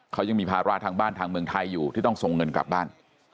เขายังมีภาระทางบ้านทางเมืองไทยอยู่ที่ต้องส่งเงินกลับบ้าน